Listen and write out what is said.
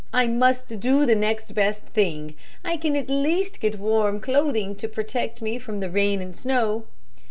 I must do the next best thing. I can at least get warm clothing to protect me from the rain and snow."